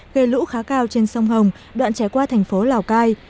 gây lũ khá cao trên sông hồng đoạn chảy qua thành phố lào cai